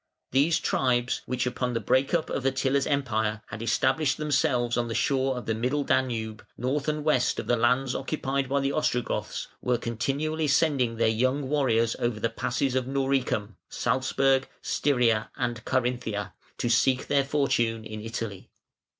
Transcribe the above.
These tribes, which upon the break up of Attila's Empire had established themselves on the shore of the Middle Danube, north and west of the lands occupied by the Ostrogoths, were continually sending their young warriors over the passes of Noricum (Salzburg, Styria, and Carinthia) to seek their fortune in Italy.